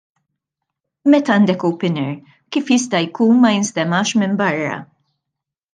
Meta għandek open air, kif jista' jkun ma jinstemax minn barra!